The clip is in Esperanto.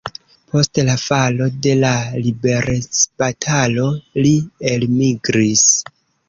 Post la falo de la liberecbatalo li elmigris.